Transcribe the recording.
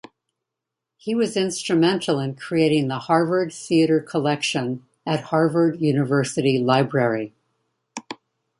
He was instrumental in creating the Harvard Theatre Collection at Harvard University Library.